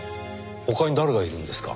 他に誰がいるんですか。